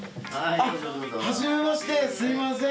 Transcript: はじめましてすいません